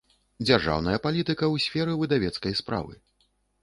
Дзяржаўная палiтыка ў сферы выдавецкай справы